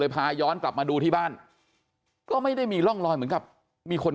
พาย้อนกลับมาดูที่บ้านก็ไม่ได้มีร่องรอยเหมือนกับมีคน